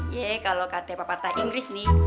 yee kalau kata papatah inggris nih